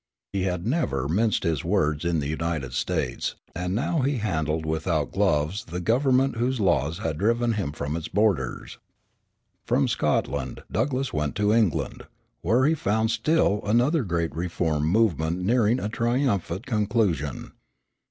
He had never minced his words in the United States, and he now handled without gloves the government whose laws had driven him from its borders. From Scotland Douglass went to England, where he found still another great reform movement nearing a triumphant conclusion.